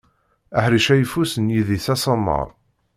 Aḥric ayeffus n yidis asamar.